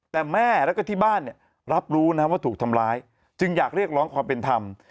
แต่แม่แล้วก็ที่บ้านเนี่ยรับรู้นะว่าถูกทำร้ายจึงอยากเรียกร้องความเป็นธรรม